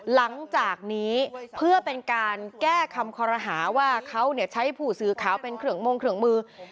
หลังจากนี้เพื่อเป็นการแก้คำคอรหาว่าเขาใช้ผู้สื่อข่าวเป็นเครื่องมงเครื่องมือ